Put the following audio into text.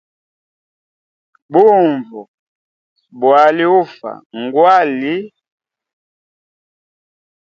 Bunvu bwali ufa ngwali.